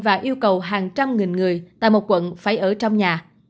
và yêu cầu hàng trăm nghìn người tại một quận phải ở trong nhà